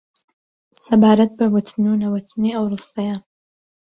سەبارەت بە وتن و نەوتنی ئەو ڕستەیە